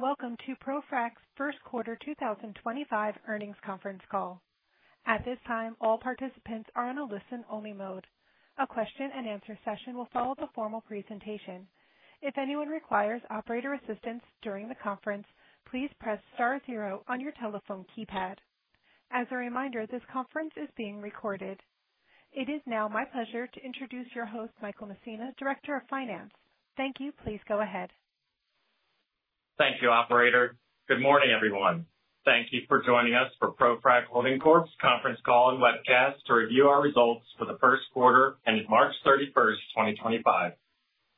Greetings and welcome to ProFrac's First Quarter 2025 Earnings Conference call. At this time, all participants are in a listen-only mode. A question-and-answer session will follow the formal presentation. If anyone requires operator assistance during the conference, please press star zero on your telephone keypad. As a reminder, this conference is being recorded. It is now my pleasure to introduce your host, Michael Messina, Director of Finance. Thank you. Please go ahead. Thank you, Operator. Good morning, everyone. Thank you for joining us for ProFrac Holding Corp's conference call and webcast to review our results for the first quarter ended March 31, 2025.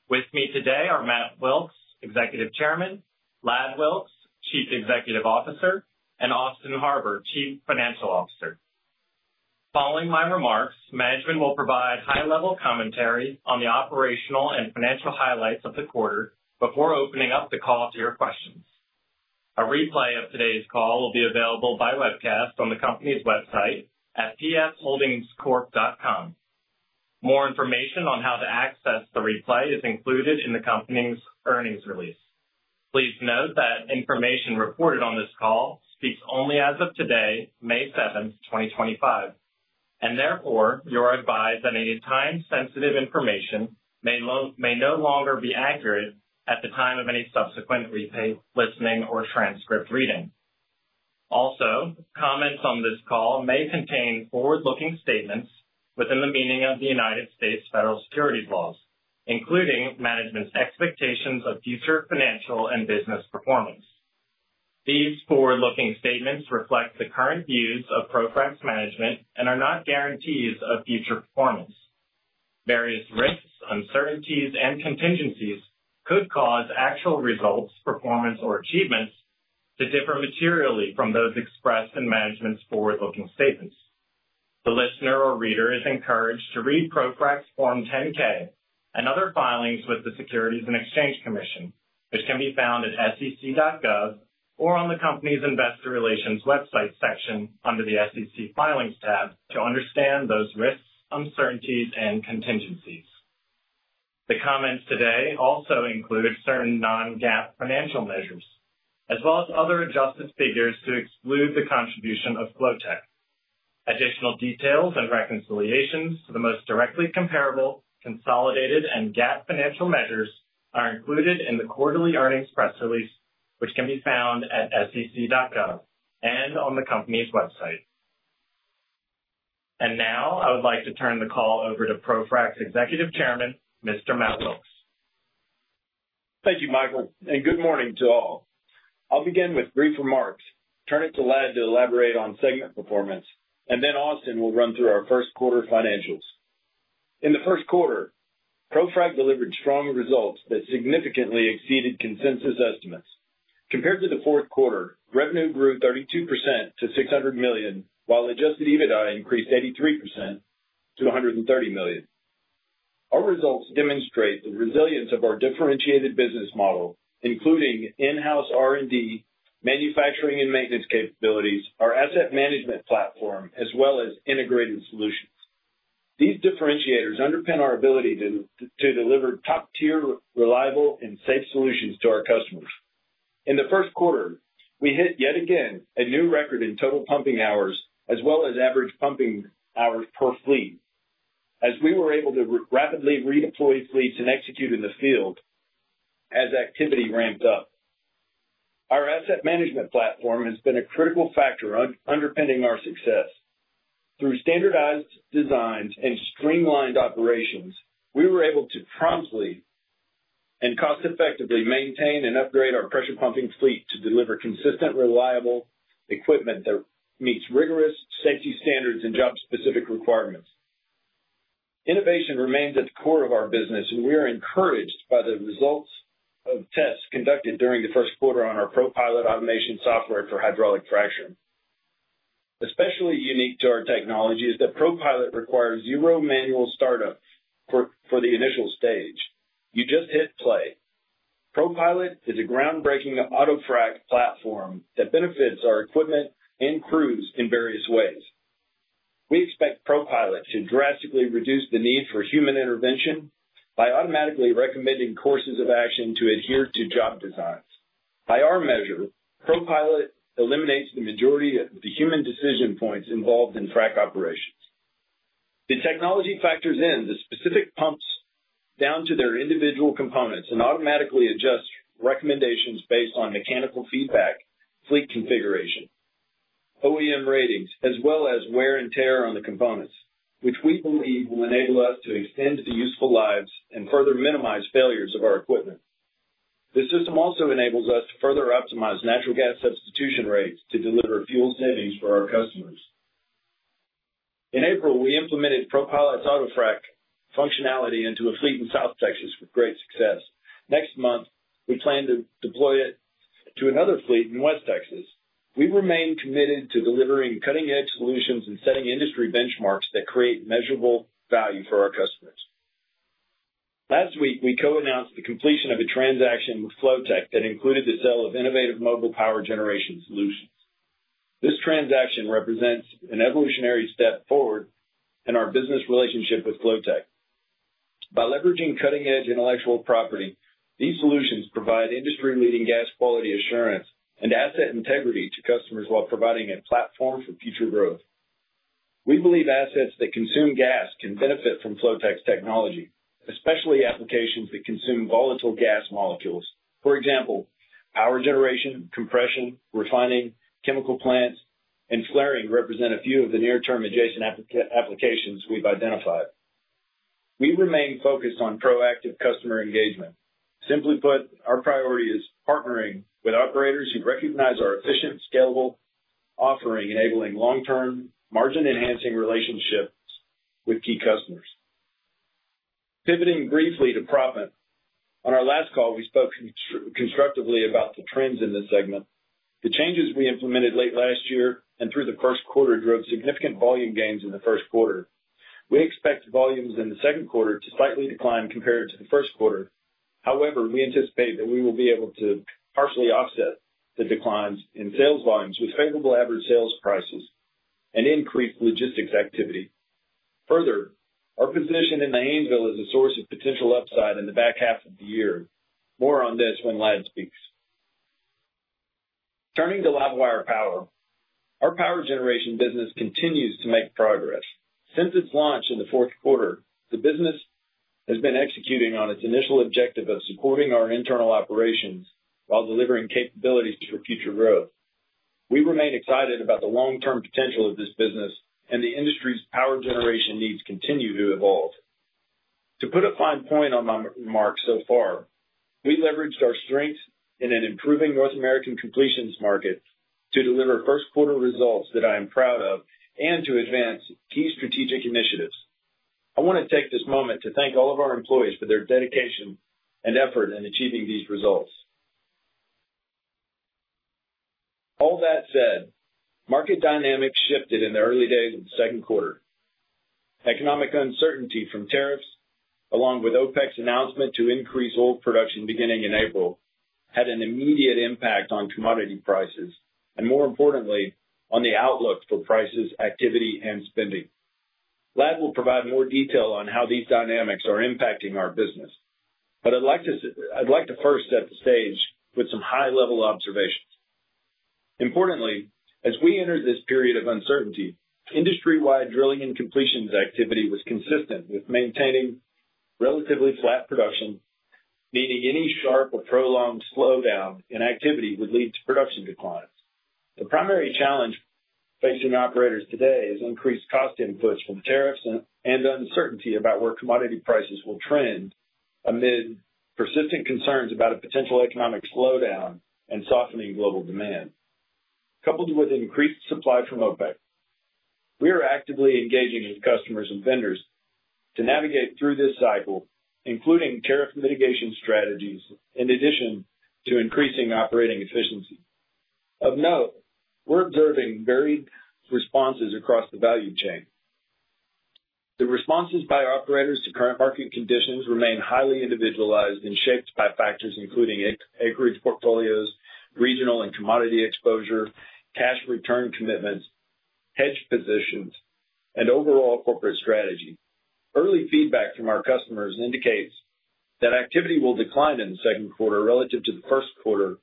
With me today are Matt Wilks, Executive Chairman; Ladd Wilks, Chief Executive Officer; and Austin Harbour, Chief Financial Officer. Following my remarks, management will provide high-level commentary on the operational and financial highlights of the quarter before opening up the call to your questions. A replay of today's call will be available by webcast on the company's website at pfholdingscorp.com. More information on how to access the replay is included in the company's earnings release. Please note that information reported on this call speaks only as of today, May 7, 2025, and therefore you are advised that any time-sensitive information may no longer be accurate at the time of any subsequent replay, listening, or transcript reading. Also, comments on this call may contain forward-looking statements within the meaning of the United States Federal Securities Laws, including management's expectations of future financial and business performance. These forward-looking statements reflect the current views of ProFrac's management and are not guarantees of future performance. Various risks, uncertainties, and contingencies could cause actual results, performance, or achievements to differ materially from those expressed in management's forward-looking statements. The listener or reader is encouraged to read ProFrac's Form 10-K and other filings with the Securities and Exchange Commission, which can be found at sec.gov or on the company's Investor Relations website section under the SEC filings tab to understand those risks, uncertainties, and contingencies. The comments today also include certain non-GAAP financial measures, as well as other adjusted figures to exclude the contribution of FloTech. Additional details and reconciliations to the most directly comparable consolidated and GAAP financial measures are included in the quarterly earnings press release, which can be found at sec.gov and on the company's website. I would like to turn the call over to ProFrac's Executive Chairman, Mr. Matt Wilks. Thank you, Michael, and good morning to all. I'll begin with brief remarks, turn it to Ladd to elaborate on segment performance, and then Austin will run through our first quarter financials. In the first quarter, ProFrac delivered strong results that significantly exceeded consensus estimates. Compared to the fourth quarter, revenue grew 32% to $600 million, while adjusted EBITDA increased 83% to $130 million. Our results demonstrate the resilience of our differentiated business model, including in-house R&D, manufacturing, and maintenance capabilities, our asset management platform, as well as integrated solutions. These differentiators underpin our ability to deliver top-tier, reliable, and safe solutions to our customers. In the first quarter, we hit yet again a new record in total pumping hours, as well as average pumping hours per fleet, as we were able to rapidly redeploy fleets and execute in the field as activity ramped up. Our asset management platform has been a critical factor underpinning our success. Through standardized designs and streamlined operations, we were able to promptly and cost-effectively maintain and upgrade our pressure pumping fleet to deliver consistent, reliable equipment that meets rigorous safety standards and job-specific requirements. Innovation remains at the core of our business, and we are encouraged by the results of tests conducted during the first quarter on our ProPilot automation software for hydraulic fracturing. Especially unique to our technology is that ProPilot requires zero manual startup for the initial stage. You just hit play. ProPilot is a groundbreaking auto frac platform that benefits our equipment and crews in various ways. We expect ProPilot to drastically reduce the need for human intervention by automatically recommending courses of action to adhere to job designs. By our measure, ProPilot eliminates the majority of the human decision points involved in frac operations. The technology factors in the specific pumps down to their individual components and automatically adjusts recommendations based on mechanical feedback, fleet configuration, OEM ratings, as well as wear and tear on the components, which we believe will enable us to extend the useful lives and further minimize failures of our equipment. The system also enables us to further optimize natural gas substitution rates to deliver fuel savings for our customers. In April, we implemented ProPilot's auto frac functionality into a fleet in South Texas with great success. Next month, we plan to deploy it to another fleet in West Texas. We remain committed to delivering cutting-edge solutions and setting industry benchmarks that create measurable value for our customers. Last week, we co-announced the completion of a transaction with FloTech that included the sale of innovative mobile power generation solutions. This transaction represents an evolutionary step forward in our business relationship with FloTech. By leveraging cutting-edge intellectual property, these solutions provide industry-leading gas quality assurance and asset integrity to customers while providing a platform for future growth. We believe assets that consume gas can benefit from FloTech's technology, especially applications that consume volatile gas molecules. For example, power generation, compression, refining, chemical plants, and flaring represent a few of the near-term adjacent applications we've identified. We remain focused on proactive customer engagement. Simply put, our priority is partnering with operators who recognize our efficient, scalable offering, enabling long-term margin-enhancing relationships with key customers. Pivoting briefly to profit, on our last call, we spoke constructively about the trends in this segment. The changes we implemented late last year and through the first quarter drove significant volume gains in the first quarter. We expect volumes in the second quarter to slightly decline compared to the first quarter. However, we anticipate that we will be able to partially offset the declines in sales volumes with favorable average sales prices and increased logistics activity. Further, our position in the Haynesville is a source of potential upside in the back half of the year. More on this when Ladd speaks. Turning to Ladd Wire Power, our power generation business continues to make progress. Since its launch in the fourth quarter, the business has been executing on its initial objective of supporting our internal operations while delivering capabilities for future growth. We remain excited about the long-term potential of this business, and the industry's power generation needs continue to evolve. To put a fine point on my remarks so far, we leveraged our strengths in an improving North American completions market to deliver first-quarter results that I am proud of and to advance key strategic initiatives. I want to take this moment to thank all of our employees for their dedication and effort in achieving these results. All that said, market dynamics shifted in the early days of the second quarter. Economic uncertainty from tariffs, along with OPEC's announcement to increase oil production beginning in April, had an immediate impact on commodity prices and, more importantly, on the outlook for prices, activity, and spending. Ladd will provide more detail on how these dynamics are impacting our business, but I'd like to first set the stage with some high-level observations. Importantly, as we entered this period of uncertainty, industry-wide drilling and completions activity was consistent with maintaining relatively flat production, meaning any sharp or prolonged slowdown in activity would lead to production declines. The primary challenge facing operators today is increased cost inputs from tariffs and uncertainty about where commodity prices will trend amid persistent concerns about a potential economic slowdown and softening global demand, coupled with increased supply from OPEC. We are actively engaging with customers and vendors to navigate through this cycle, including tariff mitigation strategies in addition to increasing operating efficiency. Of note, we're observing varied responses across the value chain. The responses by operators to current market conditions remain highly individualized and shaped by factors including acreage portfolios, regional and commodity exposure, cash return commitments, hedge positions, and overall corporate strategy. Early feedback from our customers indicates that activity will decline in the second quarter relative to the first quarter,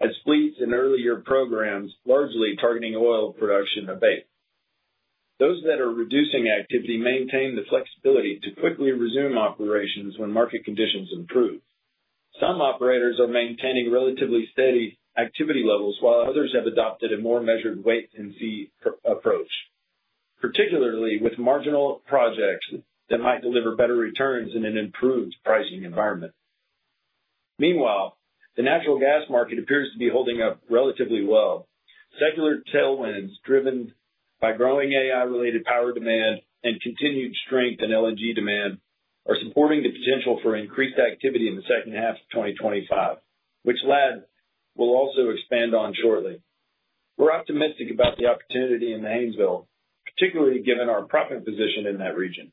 as fleets and early-year programs largely targeting oil production abate. Those that are reducing activity maintain the flexibility to quickly resume operations when market conditions improve. Some operators are maintaining relatively steady activity levels, while others have adopted a more measured wait-and-see approach, particularly with marginal projects that might deliver better returns in an improved pricing environment. Meanwhile, the natural gas market appears to be holding up relatively well. Secular tailwinds driven by growing AI-related power demand and continued strength in LNG demand are supporting the potential for increased activity in the second half of 2025, which Ladd will also expand on shortly. We're optimistic about the opportunity in the Haynesville, particularly given our profit position in that region.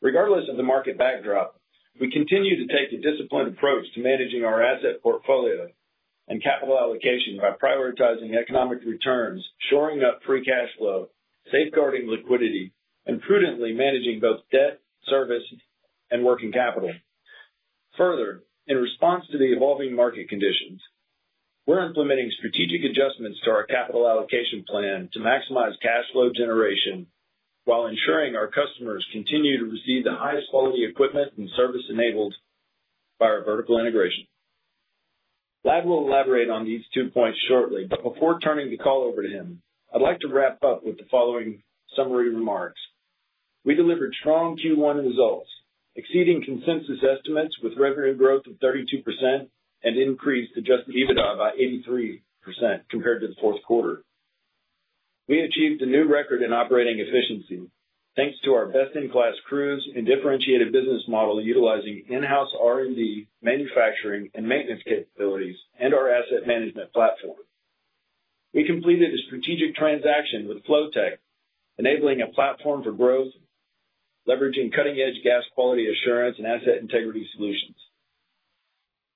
Regardless of the market backdrop, we continue to take a disciplined approach to managing our asset portfolio and capital allocation by prioritizing economic returns, shoring up free cash flow, safeguarding liquidity, and prudently managing both debt, service, and working capital. Further, in response to the evolving market conditions, we're implementing strategic adjustments to our capital allocation plan to maximize cash flow generation while ensuring our customers continue to receive the highest quality equipment and service enabled by our vertical integration. Ladd will elaborate on these two points shortly, but before turning the call over to him, I'd like to wrap up with the following summary remarks. We delivered strong Q1 results, exceeding consensus estimates with revenue growth of 32% and increased adjusted EBITDA by 83% compared to the fourth quarter. We achieved a new record in operating efficiency thanks to our best-in-class crews and differentiated business model utilizing in-house R&D, manufacturing, and maintenance capabilities and our asset management platform. We completed a strategic transaction with FloTech, enabling a platform for growth, leveraging cutting-edge gas quality assurance and asset integrity solutions.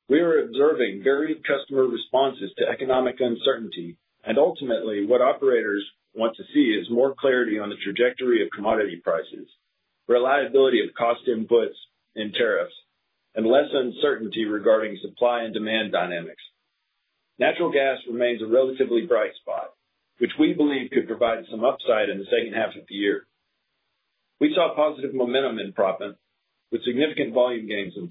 We are observing varied customer responses to economic uncertainty, and ultimately, what operators want to see is more clarity on the trajectory of commodity prices, reliability of cost inputs and tariffs, and less uncertainty regarding supply and demand dynamics. Natural gas remains a relatively bright spot, which we believe could provide some upside in the second half of the year. We saw positive momentum in profit with significant volume gains in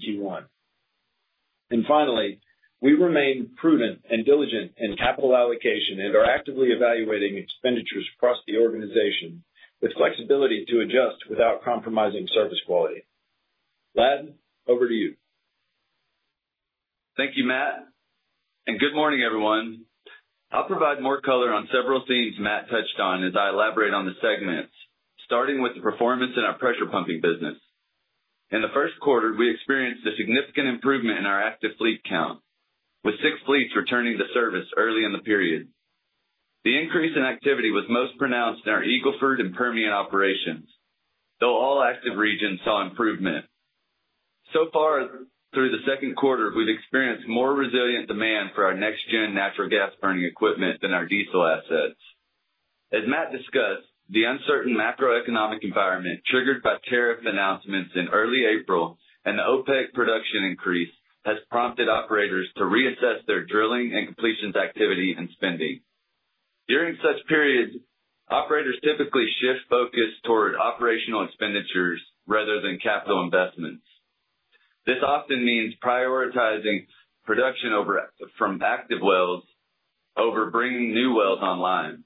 Q1. Finally, we remain prudent and diligent in capital allocation and are actively evaluating expenditures across the organization with flexibility to adjust without compromising service quality. Ladd, over to you. Thank you, Matt, and good morning, everyone. I'll provide more color on several themes Matt touched on as I elaborate on the segments, starting with the performance in our pressure pumping business. In the first quarter, we experienced a significant improvement in our active fleet count, with six fleets returning to service early in the period. The increase in activity was most pronounced in our Eagle Ford and Permian operations, though all active regions saw improvement. So far, through the second quarter, we've experienced more resilient demand for our next-gen natural gas burning equipment than our diesel assets. As Matt discussed, the uncertain macroeconomic environment triggered by tariff announcements in early April and the OPEC production increase has prompted operators to reassess their drilling and completions activity and spending. During such periods, operators typically shift focus toward operational expenditures rather than capital investments. This often means prioritizing production from active wells over bringing new wells online.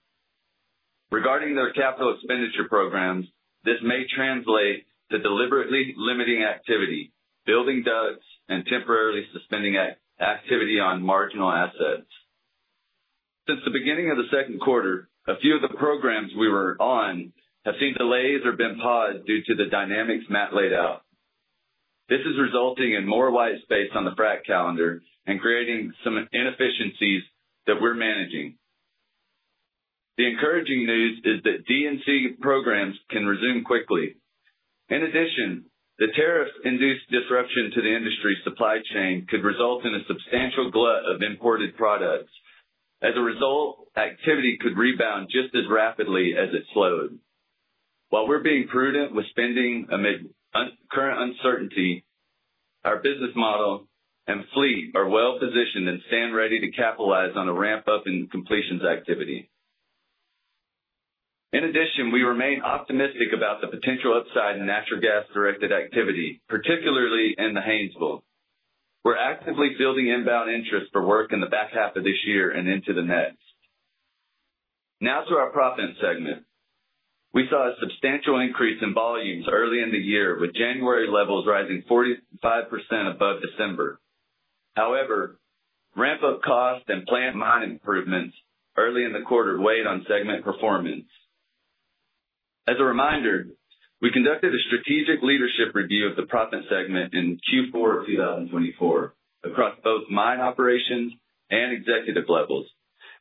Regarding their capital expenditure programs, this may translate to deliberately limiting activity, building ducts, and temporarily suspending activity on marginal assets. Since the beginning of the second quarter, a few of the programs we were on have seen delays or been paused due to the dynamics Matt laid out. This is resulting in more white space on the frac calendar and creating some inefficiencies that we're managing. The encouraging news is that D&C programs can resume quickly. In addition, the tariffs induced disruption to the industry's supply chain could result in a substantial glut of imported products. As a result, activity could rebound just as rapidly as it slowed. While we're being prudent with spending amid current uncertainty, our business model and fleet are well positioned and stand ready to capitalize on a ramp-up in completions activity. In addition, we remain optimistic about the potential upside in natural gas-directed activity, particularly in the Haynesville. We're actively fielding inbound interest for work in the back half of this year and into the next. Now to our proppant segment. We saw a substantial increase in volumes early in the year, with January levels rising 45% above December. However, ramp-up cost and plant mine improvements early in the quarter weighed on segment performance. As a reminder, we conducted a strategic leadership review of the proppant segment in Q4 of 2024 across both mine operations and executive levels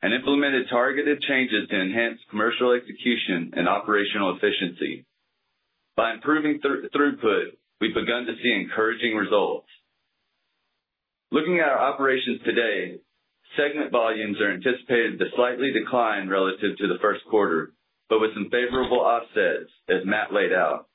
and implemented targeted changes to enhance commercial execution and operational efficiency. By improving throughput, we've begun to see encouraging results. Looking at our operations today, segment volumes are anticipated to slightly decline relative to the first quarter, but with some favorable offsets as Matt laid out.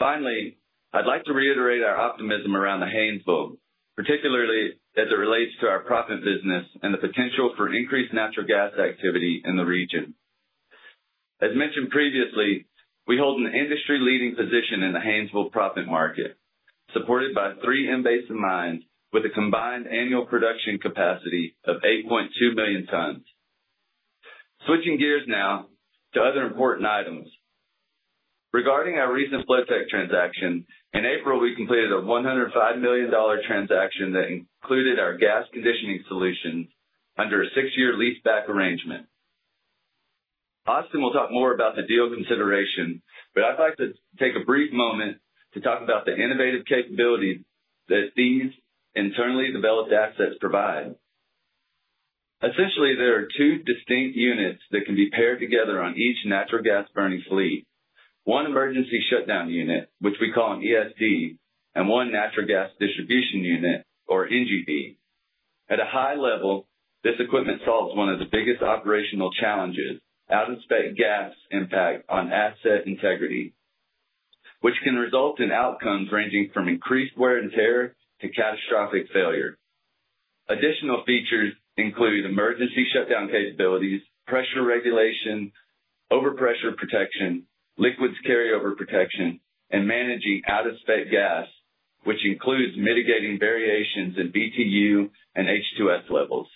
Finally, I'd like to reiterate our optimism around the Haynesville, particularly as it relates to our proppant business and the potential for increased natural gas activity in the region. As mentioned previously, we hold an industry-leading position in the Haynesville proppant market, supported by three in-basin mines with a combined annual production capacity of 8.2 million tons. Switching gears now to other important items. Regarding our recent FloTech transaction, in April, we completed a $105 million transaction that included our gas conditioning solution under a six-year lease-back arrangement. Austin will talk more about the deal consideration, but I'd like to take a brief moment to talk about the innovative capabilities that these internally developed assets provide. Essentially, there are two distinct units that can be paired together on each natural gas-burning fleet: one emergency shutdown unit, which we call an ESD, and one natural gas distribution unit, or NGD. At a high level, this equipment solves one of the biggest operational challenges: out-of-spec gas impact on asset integrity, which can result in outcomes ranging from increased wear and tear to catastrophic failure. Additional features include emergency shutdown capabilities, pressure regulation, overpressure protection, liquids carryover protection, and managing out-of-spec gas, which includes mitigating variations in BTU and H2S levels.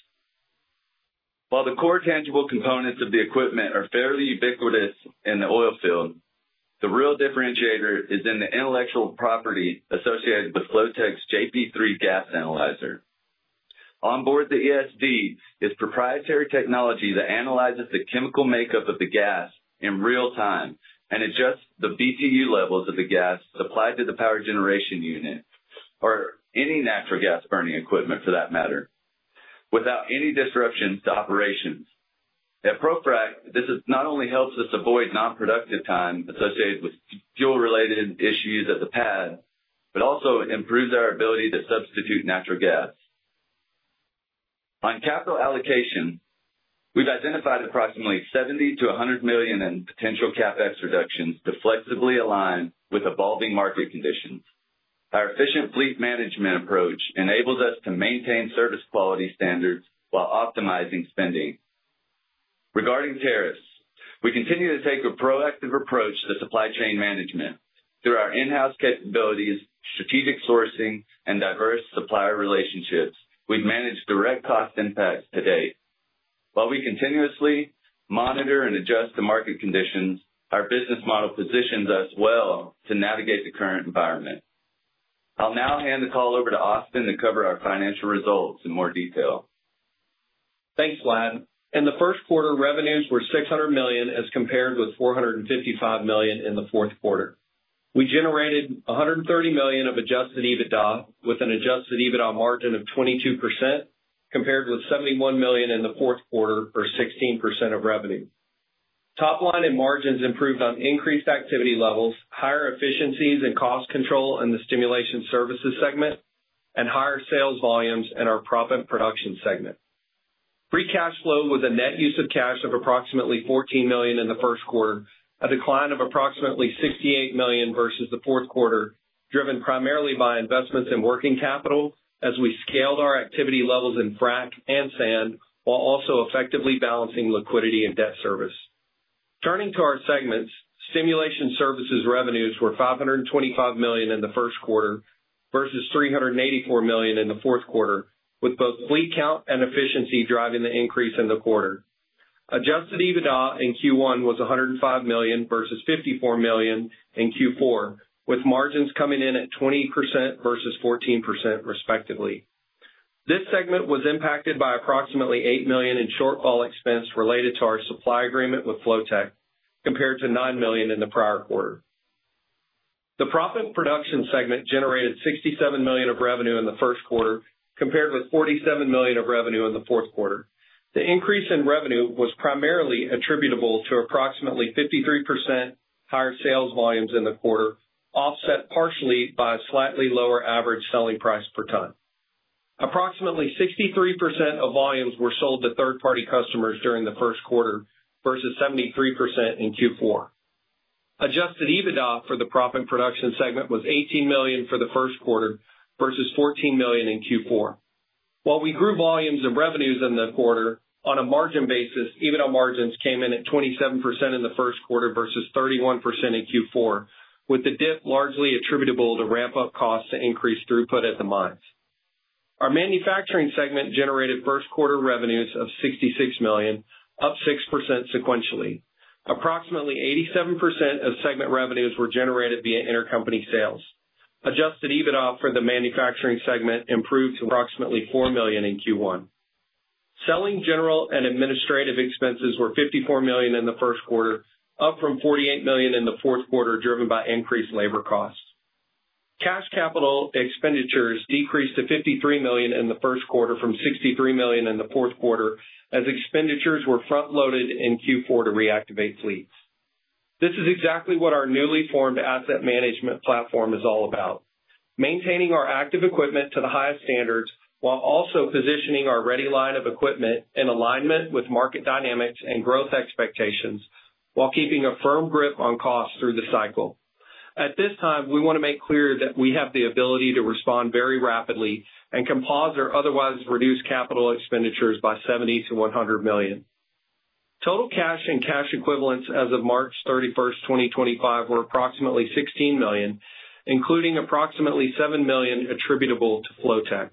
While the core tangible components of the equipment are fairly ubiquitous in the oil field, the real differentiator is in the intellectual property associated with FloTech's JP3 gas analyzer. On board the ESD is proprietary technology that analyzes the chemical makeup of the gas in real time and adjusts the BTU levels of the gas supplied to the power generation unit, or any natural gas burning equipment for that matter, without any disruptions to operations. At ProFrac, this not only helps us avoid non-productive time associated with fuel-related issues at the pad, but also improves our ability to substitute natural gas. On capital allocation, we've identified approximately $70 million-$100 million in potential CapEx reductions to flexibly align with evolving market conditions. Our efficient fleet management approach enables us to maintain service quality standards while optimizing spending. Regarding tariffs, we continue to take a proactive approach to supply chain management. Through our in-house capabilities, strategic sourcing, and diverse supplier relationships, we've managed direct cost impacts to date. While we continuously monitor and adjust the market conditions, our business model positions us well to navigate the current environment. I'll now hand the call over to Austin to cover our financial results in more detail. Thanks, Ladd. In the first quarter, revenues were $600 million as compared with $455 million in the fourth quarter. We generated $130 million of adjusted EBITDA with an adjusted EBITDA margin of 22% compared with $71 million in the fourth quarter, or 16% of revenue. Top line and margins improved on increased activity levels, higher efficiencies and cost control in the stimulation services segment, and higher sales volumes in our proppant production segment. Free cash flow was a net use of cash of approximately $14 million in the first quarter, a decline of approximately $68 million versus the fourth quarter, driven primarily by investments in working capital as we scaled our activity levels in frac and sand while also effectively balancing liquidity and debt service. Turning to our segments, Stimulation services revenues were $525 million in the first quarter versus $384 million in the fourth quarter, with both fleet count and efficiency driving the increase in the quarter. Adjusted EBITDA in Q1 was $105 million versus $54 million in Q4, with margins coming in at 20% versus 14% respectively. This segment was impacted by approximately $8 million in shortfall expense related to our supply agreement with FloTech compared to $9 million in the prior quarter. The Proppant production segment generated $67 million of revenue in the first quarter compared with $47 million of revenue in the fourth quarter. The increase in revenue was primarily attributable to approximately 53% higher sales volumes in the quarter, offset partially by a slightly lower average selling price per ton. Approximately 63% of volumes were sold to third-party customers during the first quarter versus 73% in Q4. Adjusted EBITDA for the proppant production segment was $18 million for the first quarter versus $14 million in Q4. While we grew volumes and revenues in the quarter, on a margin basis, EBITDA margins came in at 27% in the first quarter versus 31% in Q4, with the dip largely attributable to ramp-up costs to increase throughput at the mines. Our Manufacturing segment generated first quarter revenues of $66 million, up 6% sequentially. Approximately 87% of segment revenues were generated via intercompany sales. Adjusted EBITDA for the Manufacturing segment improved to approximately $4 million in Q1. Selling, general, and administrative expenses were $54 million in the first quarter, up from $48 million in the fourth quarter driven by increased labor costs. Cash capital expenditures decreased to $53 million in the first quarter from $63 million in the fourth quarter as expenditures were front-loaded in Q4 to reactivate fleets. This is exactly what our newly formed asset management platform is all about: maintaining our active equipment to the highest standards while also positioning our ready line of equipment in alignment with market dynamics and growth expectations while keeping a firm grip on costs through the cycle. At this time, we want to make clear that we have the ability to respond very rapidly and can pause or otherwise reduce capital expenditures by $70 million-$100 million. Total cash and cash equivalents as of March 31, 2025, were approximately $16 million, including approximately $7 million attributable to FloTech.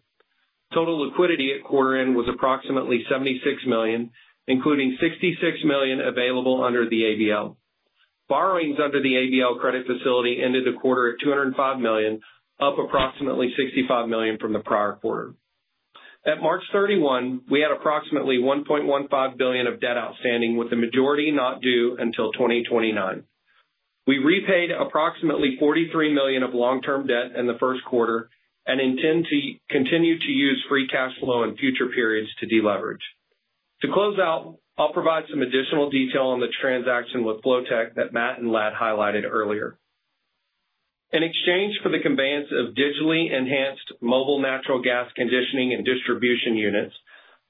Total liquidity at quarter-end was approximately $76 million, including $66 million available under the ABL. Borrowings under the ABL credit facility ended the quarter at $205 million, up approximately $65 million from the prior quarter. At March 31, we had approximately $1.15 billion of debt outstanding, with the majority not due until 2029. We repaid approximately $43 million of long-term debt in the first quarter and intend to continue to use free cash flow in future periods to deleverage. To close out, I'll provide some additional detail on the transaction with FloTech that Matt and Ladd highlighted earlier. In exchange for the conveyance of digitally enhanced mobile natural gas conditioning and distribution units,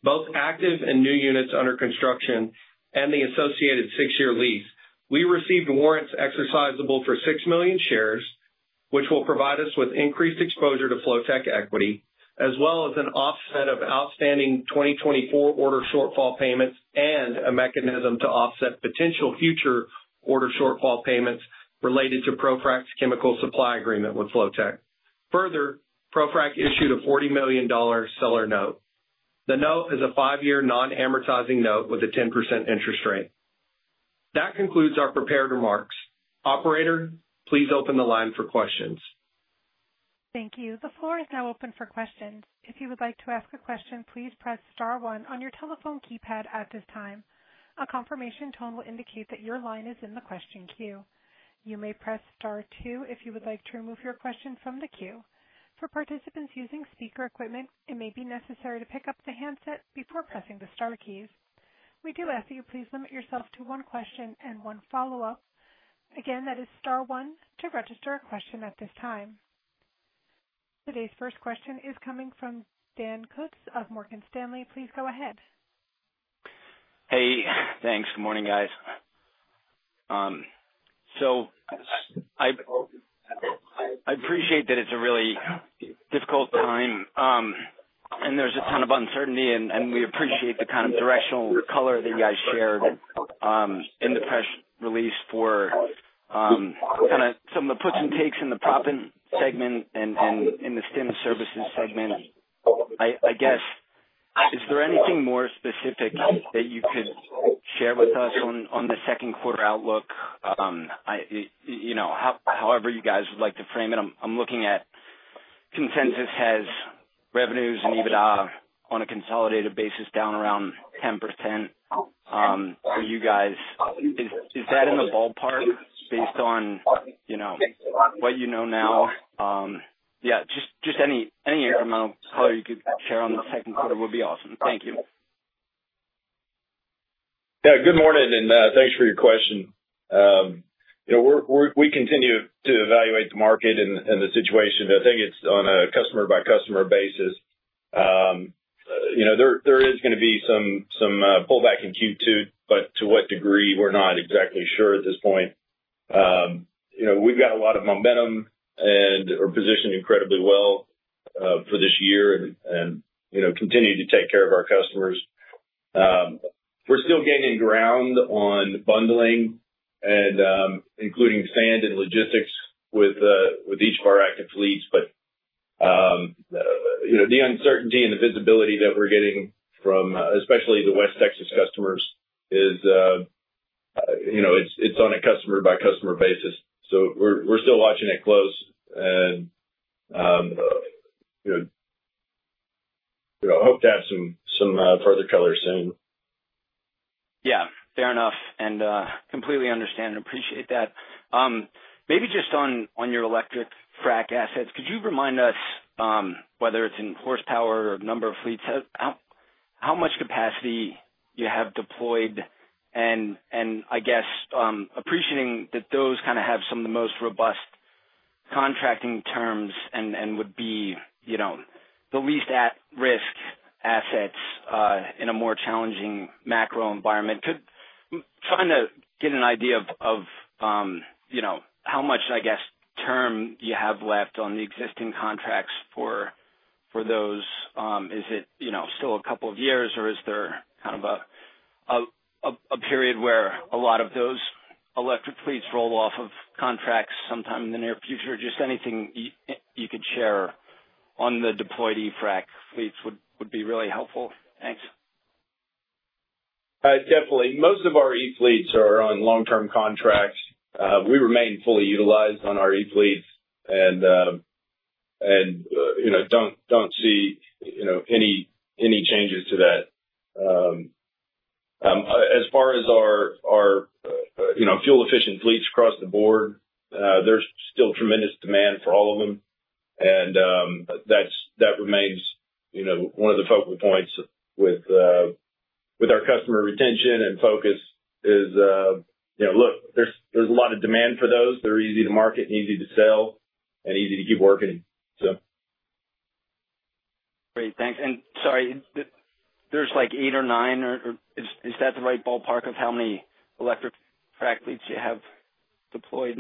both active and new units under construction, and the associated six-year lease, we received warrants exercisable for 6 million shares, which will provide us with increased exposure to FloTech equity, as well as an offset of outstanding 2024 order shortfall payments and a mechanism to offset potential future order shortfall payments related to ProFrac's chemical supply agreement with FloTech. Further, ProFrac issued a $40 million seller note. The note is a five-year non-amortizing note with a 10% interest rate. That concludes our prepared remarks. Operator, please open the line for questions. Thank you. The floor is now open for questions. If you would like to ask a question, please press star one on your telephone keypad at this time. A confirmation tone will indicate that your line is in the question queue. You may press star two if you would like to remove your question from the queue. For participants using speaker equipment, it may be necessary to pick up the handset before pressing the star keys. We do ask that you please limit yourself to one question and one follow-up. Again, that is star one to register a question at this time. Today's first question is coming from Dave Cook of Morgan Stanley. Please go ahead. Hey, thanks. Good morning, guys. I appreciate that it's a really difficult time, and there's a ton of uncertainty, and we appreciate the kind of directional color that you guys shared in the press release for kind of some of the puts and takes in the proppant segment and in the stimulation services segment. I guess, is there anything more specific that you could share with us on the second quarter outlook? However you guys would like to frame it, I'm looking at consensus has revenues and EBITDA on a consolidated basis down around 10% for you guys. Is that in the ballpark based on what you know now? Yeah, just any incremental color you could share on the second quarter would be awesome. Thank you. Yeah, good morning, and thanks for your question. We continue to evaluate the market and the situation. I think it's on a customer-by-customer basis. There is going to be some pullback in Q2, but to what degree, we're not exactly sure at this point. We've got a lot of momentum and are positioned incredibly well for this year and continue to take care of our customers. We're still gaining ground on bundling and including sand and logistics with each of our active fleets, but the uncertainty and the visibility that we're getting from especially the West Texas customers is it's on a customer-by-customer basis. We're still watching it close, and I hope to have some further color soon. Yeah, fair enough, and completely understand and appreciate that. Maybe just on your electric frac assets, could you remind us, whether it's in horsepower or number of fleets, how much capacity you have deployed? I guess appreciating that those kind of have some of the most robust contracting terms and would be the least at-risk assets in a more challenging macro environment. Trying to get an idea of how much, I guess, term you have left on the existing contracts for those. Is it still a couple of years, or is there kind of a period where a lot of those electric fleets roll off of contracts sometime in the near future? Just anything you could share on the deployed EFRAC fleets would be really helpful. Thanks. Definitely. Most of our E fleets are on long-term contracts. We remain fully utilized on our E fleets and do not see any changes to that. As far as our fuel-efficient fleets across the board, there is still tremendous demand for all of them, and that remains one of the focal points with our customer retention and focus is, look, there is a lot of demand for those. They are easy to market and easy to sell and easy to keep working, so. Great. Thanks. Sorry, there's like eight or nine, or is that the right ballpark of how many electric frac fleets you have deployed?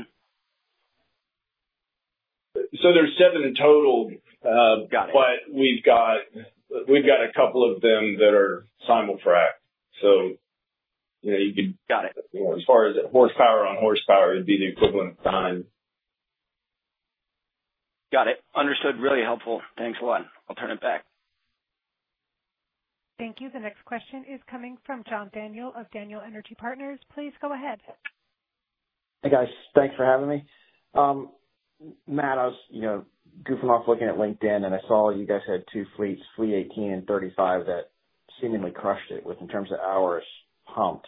There's seven in total, but we've got a couple of them that are simul frac. You could. Got it. As far as horsepower on horsepower, it'd be the equivalent of nine. Got it. Understood. Really helpful. Thanks a lot. I'll turn it back. Thank you. The next question is coming from John Daniel of Daniel Energy Partners. Please go ahead. Hey, guys. Thanks for having me. Matt, I was goofing off looking at LinkedIn, and I saw you guys had two fleets, fleet 18 and 35, that seemingly crushed it in terms of hours pumped.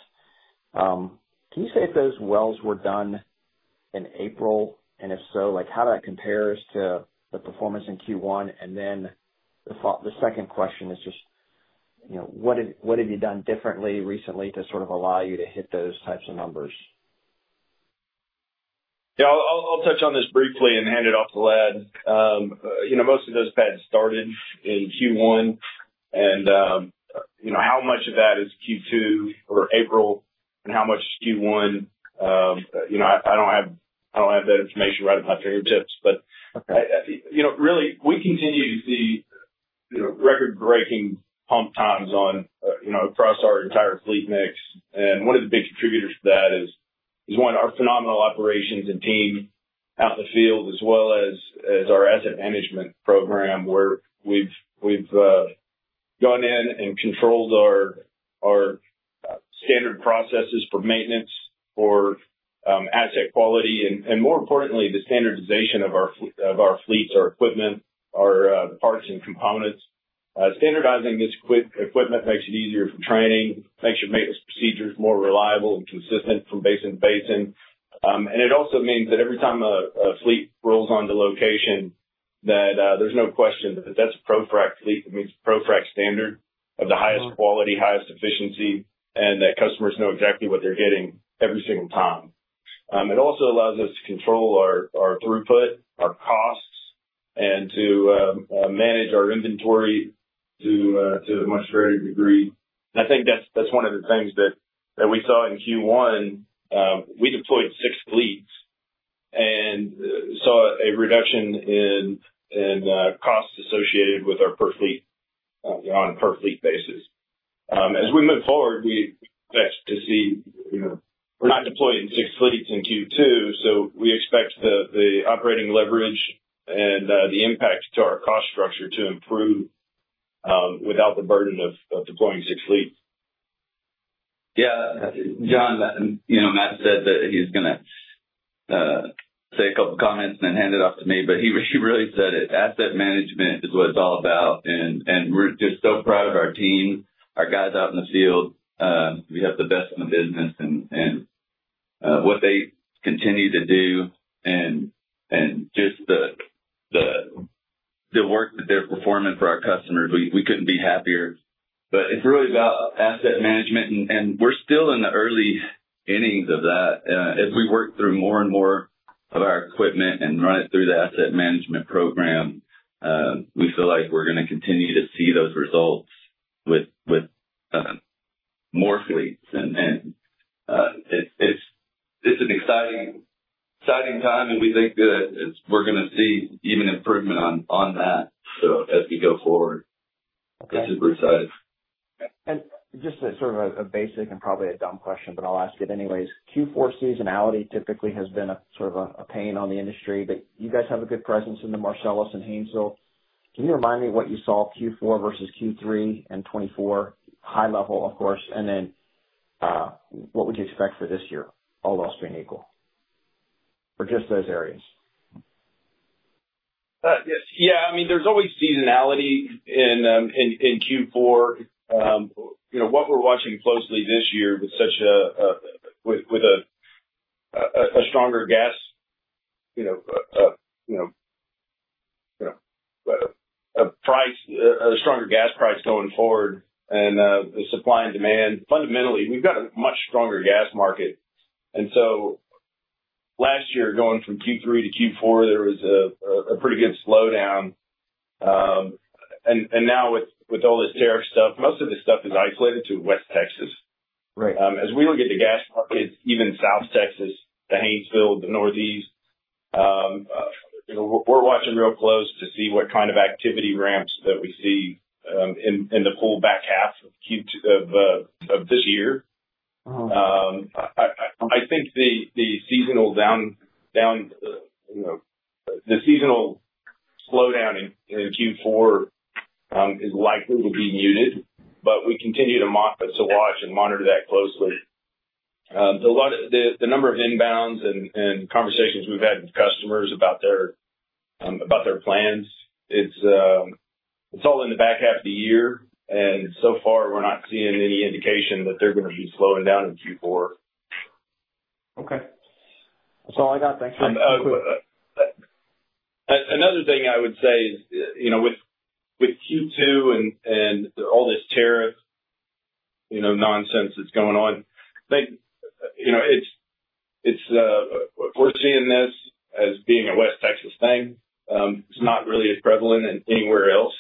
Can you say if those wells were done in April? If so, how does that compare to the performance in Q1? The second question is just, what have you done differently recently to sort of allow you to hit those types of numbers? Yeah, I'll touch on this briefly and hand it off to Ladd. Most of those pads started in Q1, and how much of that is Q2 or April, and how much is Q1? I don't have that information right at my fingertips, but really, we continue to see record-breaking pump times across our entire fleet mix. One of the big contributors to that is our phenomenal operations and team out in the field, as well as our asset management program, where we've gone in and controlled our standard processes for maintenance, for asset quality, and more importantly, the standardization of our fleets, our equipment, our parts, and components. Standardizing this equipment makes it easier for training, makes your maintenance procedures more reliable and consistent from basin to basin. It also means that every time a fleet rolls onto location, there's no question that that's a ProFrac fleet. It means ProFrac standard of the highest quality, highest efficiency, and that customers know exactly what they're getting every single time. It also allows us to control our throughput, our costs, and to manage our inventory to a much greater degree. I think that's one of the things that we saw in Q1. We deployed six fleets and saw a reduction in costs associated with our per fleet on a per fleet basis. As we move forward, we expect to see we're not deploying six fleets in Q2, so we expect the operating leverage and the impact to our cost structure to improve without the burden of deploying six fleets. Yeah. John, Matt said that he was going to say a couple of comments and then hand it off to me, but he really said it. Asset management is what it's all about, and we're just so proud of our team, our guys out in the field. We have the best in the business, and what they continue to do and just the work that they're performing for our customers, we could not be happier. It is really about asset management, and we're still in the early innings of that. As we work through more and more of our equipment and run it through the asset management program, we feel like we're going to continue to see those results with more fleets. It is an exciting time, and we think that we're going to see even improvement on that as we go forward. We're super excited. Just sort of a basic and probably a dumb question, but I'll ask it anyways. Q4 seasonality typically has been sort of a pain on the industry, but you guys have a good presence in the Marcellus and Haynesville. Can you remind me what you saw Q4 versus Q3 and 2024? High level, of course. What would you expect for this year, all else being equal, for just those areas? Yeah. I mean, there's always seasonality in Q4. What we're watching closely this year with a stronger gas price, a stronger gas price going forward, and the supply and demand. Fundamentally, we've got a much stronger gas market. Last year, going from Q3 to Q4, there was a pretty good slowdown. Now, with all this tariff stuff, most of this stuff is isolated to West Texas. As we look at the gas markets, even South Texas, the Haynesville, the Northeast, we're watching real close to see what kind of activity ramps that we see in the pullback half of this year. I think the seasonal slowdown in Q4 is likely to be muted, but we continue to watch and monitor that closely. The number of inbounds and conversations we've had with customers about their plans, it's all in the back half of the year, and so far, we're not seeing any indication that they're going to be slowing down in Q4. Okay. That's all I got. Thanks for the quick. Another thing I would say is with Q2 and all this tariff nonsense that's going on, I think we're seeing this as being a West Texas thing. It's not really as prevalent anywhere else.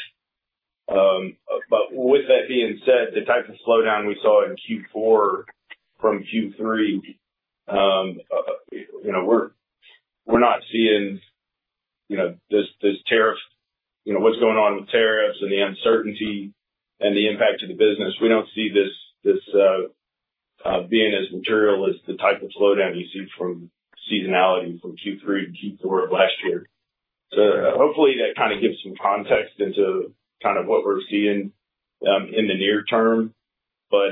With that being said, the type of slowdown we saw in Q4 from Q3, we're not seeing this tariff, what's going on with tariffs and the uncertainty and the impact to the business. We don't see this being as material as the type of slowdown you see from seasonality from Q3 to Q4 of last year. Hopefully, that kind of gives some context into kind of what we're seeing in the near term, but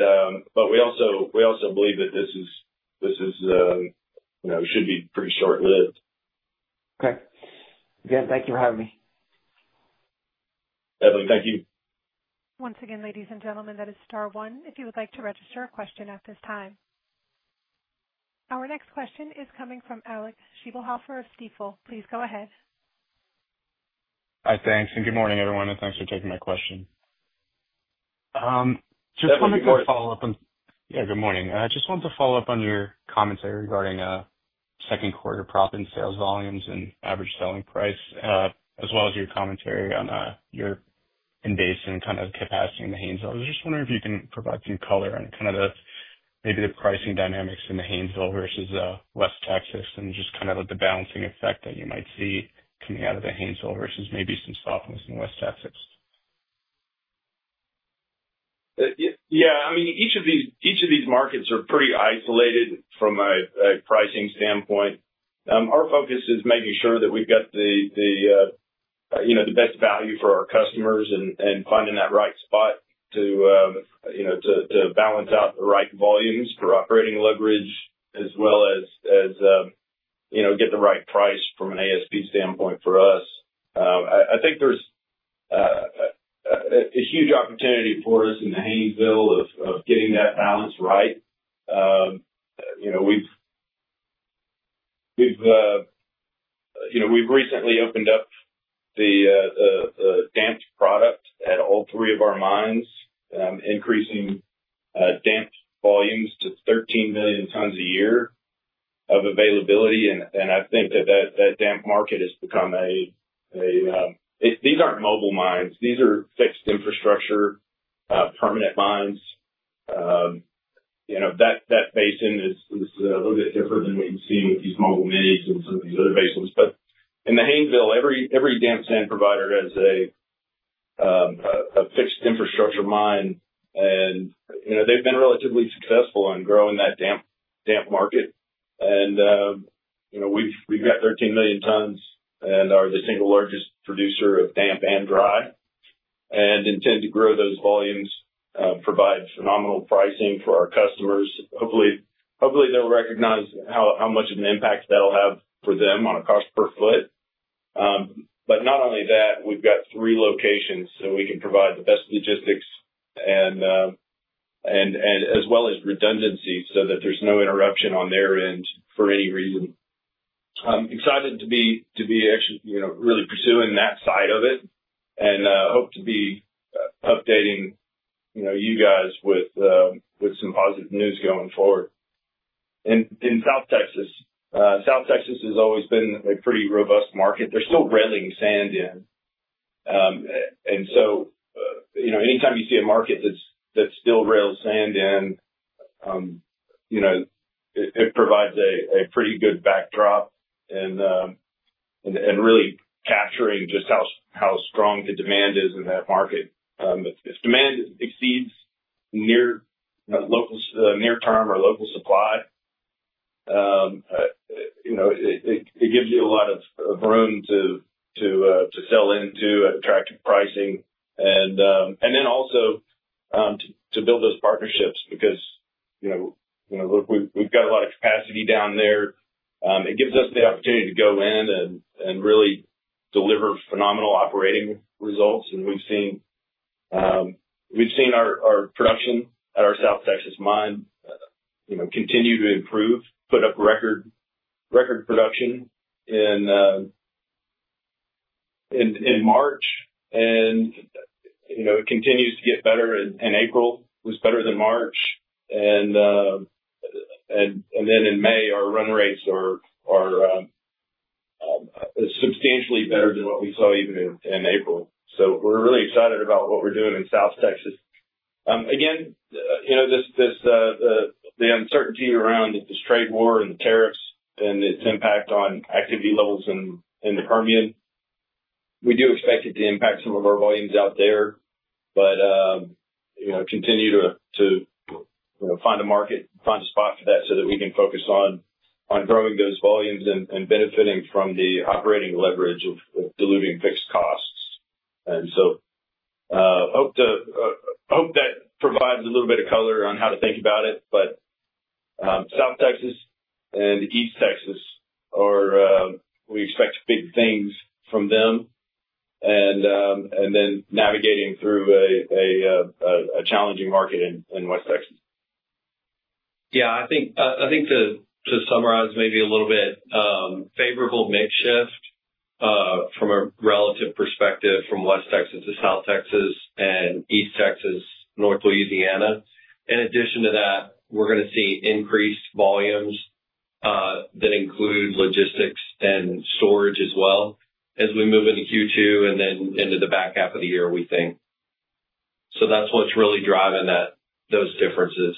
we also believe that this should be pretty short-lived. Okay. Again, thank you for having me. Definitely. Thank you. Once again, ladies and gentlemen, that is star one if you would like to register a question at this time. Our next question is coming from Alec Scheibelhoffer of Stifel. Please go ahead. Hi, thanks. Good morning, everyone, and thanks for taking my question. Just wanted to follow up on. Good morning. Yeah, good morning. Just wanted to follow up on your commentary regarding second quarter profit and sales volumes and average selling price, as well as your commentary on your invasion kind of capacity in the Haynesville. I was just wondering if you can provide some color on kind of maybe the pricing dynamics in the Haynesville versus West Texas and just kind of the balancing effect that you might see coming out of the Haynesville versus maybe some softness in West Texas. Yeah. I mean, each of these markets are pretty isolated from a pricing standpoint. Our focus is making sure that we've got the best value for our customers and finding that right spot to balance out the right volumes for operating leverage, as well as get the right price from an ASP standpoint for us. I think there's a huge opportunity for us in the Haynesville of getting that balance right. We've recently opened up the damp sand product at all three of our mines, increasing damp sand volumes to 13 million tons a year of availability. I think that that damp sand market has become a—these aren't mobile mines. These are fixed infrastructure, permanent mines. That basin is a little bit different than what you see with these mobile minis in some of these other basins. In the Haynesville, every damp sand provider has a fixed infrastructure mine, and they've been relatively successful in growing that damp market. We've got 13 million tons and are the single largest producer of damp and dry, and intend to grow those volumes, provide phenomenal pricing for our customers. Hopefully, they'll recognize how much of an impact that'll have for them on a cost per foot. Not only that, we've got three locations, so we can provide the best logistics, as well as redundancy, so that there's no interruption on their end for any reason. I'm excited to be actually really pursuing that side of it and hope to be updating you guys with some positive news going forward. In South Texas, South Texas has always been a pretty robust market. They're still railing sand in. Anytime you see a market that still rails sand in, it provides a pretty good backdrop and really captures just how strong the demand is in that market. If demand exceeds near-term or local supply, it gives you a lot of room to sell into attractive pricing and also to build those partnerships because we have a lot of capacity down there. It gives us the opportunity to go in and really deliver phenomenal operating results. We have seen our production at our South Texas mine continue to improve, put up record production in March, and it continues to get better. In April, it was better than March. In May, our run rates are substantially better than what we saw even in April. We are really excited about what we are doing in South Texas. Again, the uncertainty around this trade war and the tariffs and its impact on activity levels in the Permian, we do expect it to impact some of our volumes out there, but continue to find a market, find a spot for that so that we can focus on growing those volumes and benefiting from the operating leverage of diluting fixed costs. I hope that provides a little bit of color on how to think about it. South Texas and East Texas, we expect big things from them and then navigating through a challenging market in West Texas. I think to summarize maybe a little bit, favorable makeshift from a relative perspective from West Texas to South Texas and East Texas, North Louisiana. In addition to that, we're going to see increased volumes that include logistics and storage as well as we move into Q2 and then into the back half of the year, we think. That's what's really driving those differences.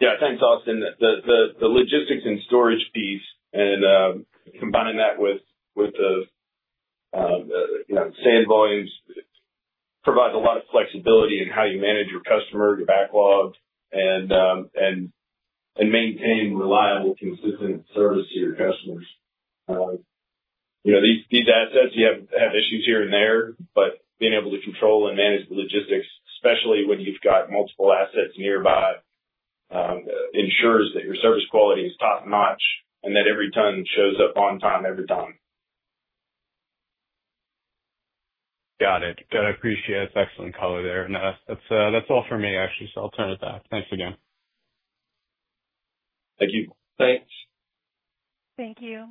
Yeah. Thanks, Austin. The logistics and storage piece and combining that with the sand volumes provides a lot of flexibility in how you manage your customer, your backlog, and maintain reliable, consistent service to your customers. These assets, you have issues here and there, but being able to control and manage the logistics, especially when you've got multiple assets nearby, ensures that your service quality is top-notch and that every ton shows up on time every time. Got it. Got it. I appreciate that excellent color there. That is all for me, actually, so I'll turn it back. Thanks again. Thank you. Thanks. Thank you.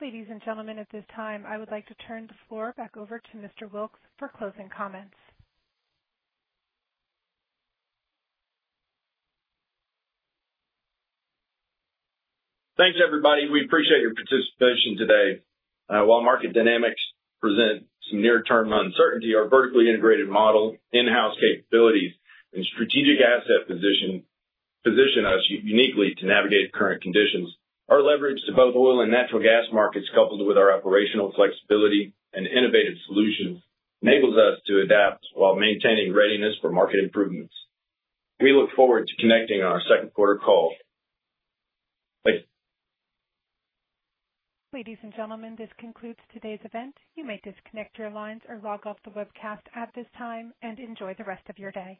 Ladies and gentlemen, at this time, I would like to turn the floor back over to Mr. Wilks for closing comments. Thanks, everybody. We appreciate your participation today. While market dynamics present some near-term uncertainty, our vertically integrated model, in-house capabilities, and strategic asset position us uniquely to navigate current conditions. Our leverage to both oil and natural gas markets, coupled with our operational flexibility and innovative solutions, enables us to adapt while maintaining readiness for market improvements. We look forward to connecting on our second quarter call. Thank you. Ladies and gentlemen, this concludes today's event. You may disconnect your lines or log off the webcast at this time and enjoy the rest of your day.